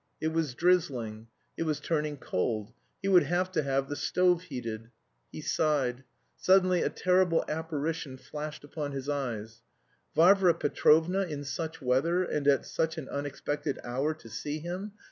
It was drizzling. It was turning cold, he would have to have the stove heated. He sighed. Suddenly a terrible apparition flashed upon his eyes: Varvara Petrovna in such weather and at such an unexpected hour to see him!